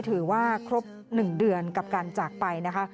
ถือว่าครบ๑เดือนกับการจากไปนะคะ